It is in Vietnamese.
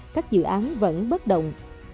các dự án vẫn bất động